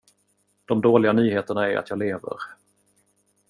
De dåliga nyheterna är att jag lever.